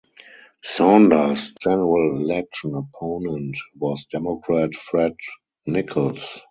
Saunders general election opponent was Democrat Fred Nichols.